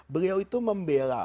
beliau itu membela